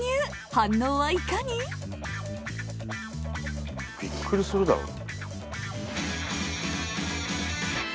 反応はいかに？びっくりするだろう。